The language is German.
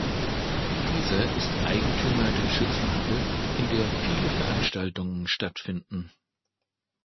Dieser ist Eigentümer der Schützenhalle, in der viele Veranstaltungen stattfinden.